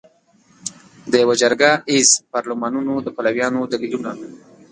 د یوه جرګه ایز پارلمانونو د پلویانو دلیلونه